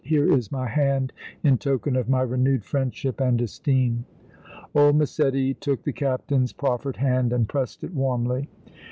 Here is my hand in token of my renewed friendship and esteem." Old Massetti took the Captain's proffered hand and pressed it warmly.